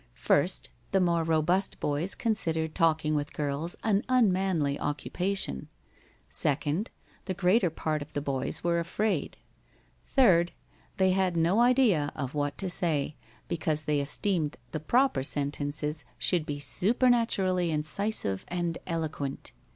First, the more robust boys considered talking with girls an unmanly occupation; second, the greater part of the boys were afraid; third, they had no idea of what to say, because they esteemed the proper sentences should be supernaturally incisive and eloquent.